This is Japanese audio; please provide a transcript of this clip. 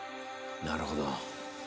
なるほど。